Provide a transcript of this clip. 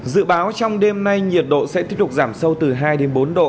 dự báo trong đêm nay nhiệt độ sẽ tiếp tục giảm sâu từ hai đến bốn độ